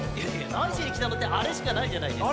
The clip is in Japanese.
なにしにきたのってあれしかないじゃないですか。